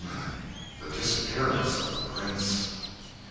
The disappearance of the Prince.